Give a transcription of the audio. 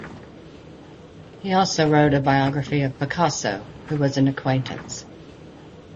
He also wrote a biography of Picasso, who was an acquaintance.